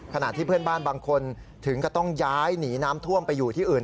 ขณะที่เพื่อนบ้านบางคนถึงก็ต้องย้ายหนีน้ำท่วมไปอยู่ที่อื่น